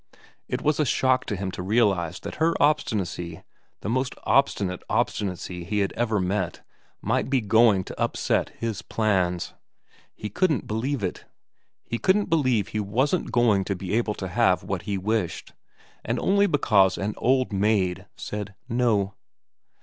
It was a shock to him to realise that her obstinacy, the most obstinate obstinacy he had ever met, might be going to upset his plans. He couldn't believe it. He couldn't believe he wasn't going to be able to have what he wished, and only because an old maid said ' No.'